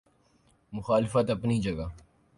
مخالفت اپنی جگہ۔